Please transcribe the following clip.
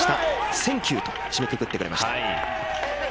センキューと締めくくってくれました。